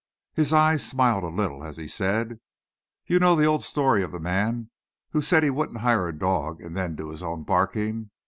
His eyes smiled a little, as he said, "You know the old story of the man who said he wouldn't hire a dog and then do his own barking.